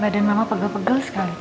badan memang pegel pegel sekali